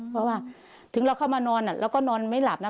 เพราะว่าถึงเราเข้ามานอนเราก็นอนไม่หลับนะ